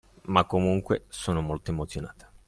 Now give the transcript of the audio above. Ma comunque, sono molto emozionata